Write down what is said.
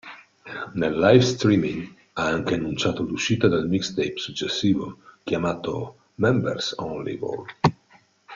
Nel live streaming ha anche annunciato l'uscita del mixtape successivo chiamato "Members Only, Vol.